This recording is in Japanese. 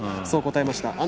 そう答えました。